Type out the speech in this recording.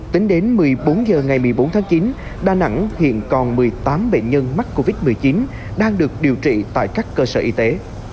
tính đến một mươi bốn h ngày một mươi bốn tháng chín đà nẵng hiện còn một mươi tám bệnh nhân mắc covid một mươi chín đang được điều trị tại các cơ sở y tế